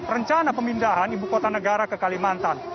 rencana pemindahan ibu kota negara ke kalimantan